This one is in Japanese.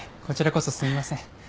こちらこそすみません。